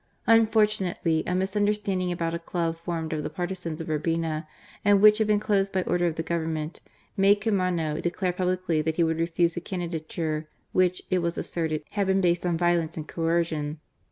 Z56 GARCIA MORENO. UnfortQnatelyy a misunderstanding about a club formed of the partisans of Urbina, and Mdbtich jba4 been closed by order of the Government, noade Caamano declare publicly that he would refuse ^a candidature which, it was asserted, had been bi^ed on violence and coercion.